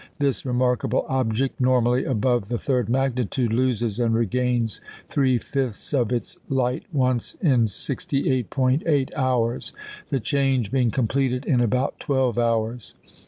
This remarkable object, normally above the third magnitude, loses and regains three fifths of its light once in 68·8 hours, the change being completed in about twelve hours.